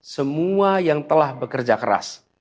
semua yang telah bekerja keras